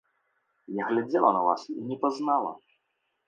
Я глядзела на вас і не пазнала.